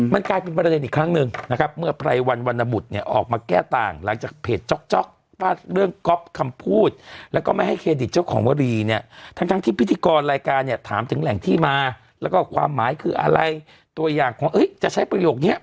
มันก็คือพวกแกนชาทั้งหลายเหรอ